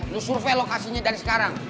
lo survei lokasinya dari sekarang